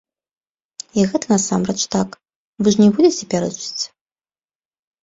І гэта насамрэч так, вы ж н е будзеце пярэчыць.